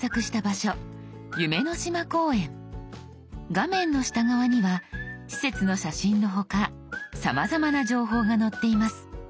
画面の下側には施設の写真の他さまざまな情報が載っています。